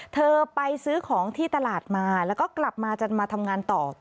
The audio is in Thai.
เธอไปซื้อของที่ตลาดมาแล้วก็กลับมาจนมาทำงานต่อ